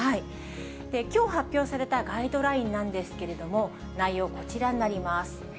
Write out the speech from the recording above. きょう発表されたガイドラインなんですけれども、内容、こちらになります。